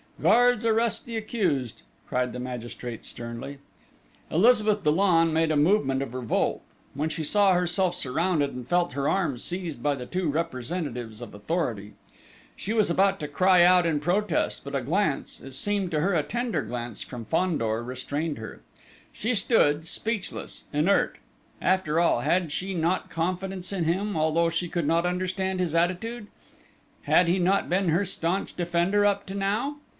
Guards, arrest the accused!" cried the magistrate sternly. Elizabeth Dollon made a movement of revolt, when she saw herself surrounded and felt her arms seized by the two representatives of authority. She was about to cry out in protest, but a glance it seemed to her a tender glance from Fandor restrained her.... She stood speechless, inert. After all, had she not confidence in him, although she could not understand his attitude! Had he not been her staunch defender up to now?